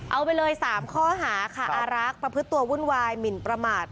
เอาไปเลย๓ข้อหาค่ะอารักษ์ประพฤติตัววุ่นวายหมินประมาท